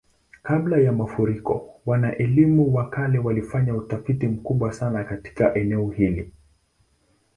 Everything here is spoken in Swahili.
Kabla ya mafuriko, wana-elimu wa kale walifanya utafiti mkubwa sana katika eneo hili.